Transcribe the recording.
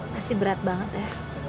pasti berat banget ya